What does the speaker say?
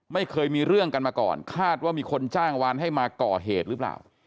ไม่เคยมีเรื่องกันมาก่อนคาดว่ามีคนจ้างวานให้มาก่อเหตุหรือเปล่า